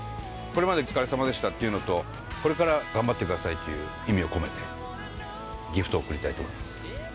「これまでお疲れさまでした」っていうのと「これから頑張ってください」という意味を込めてギフトを贈りたいと思います。